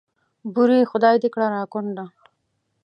بورې خدای دې کړه را کونډه.